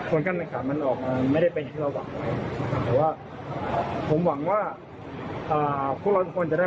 คนการบังคับมันมันมันไม่ได้เป็นที่เราหวังว่าคนจะได้